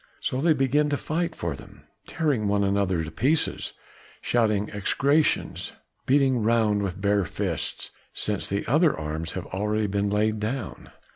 So they begin to fight for them, tearing one another to pieces, shouting execrations, beating round with bare fists, since the other arms have already been laid down.